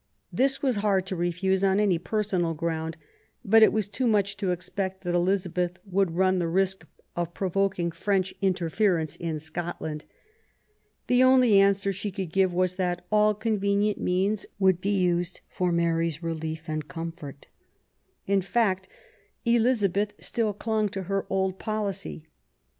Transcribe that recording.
This was hard to refuse on any personal ground ; but it was too much to expect that Elizabeth would run the risk of provoking French interference in Scotland. The only answer she could give was that all convenient means would be used for Mary's relief and comfort". In fact, Elizabeth still clung to her old policy.